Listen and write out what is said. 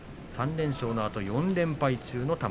３連勝のあと４連敗中の玉鷲。